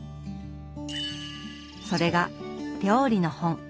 それが料理の本。